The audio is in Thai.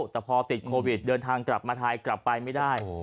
แต่พอติดโควิดเดินทางกลับมาไทยกลับไปไม่ได้